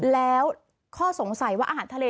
แล้วข้อสงสัยว่าอาหารทะเล